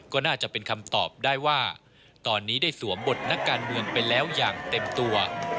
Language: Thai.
ก็น่าจะเป็นคำตอบได้ว่าตอนนี้ได้สวมบทนักการเมืองไปแล้วอย่างเต็มตัว